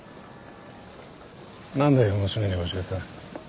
何で娘に教えた。